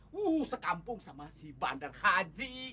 wuh sekampung sama si bandar haji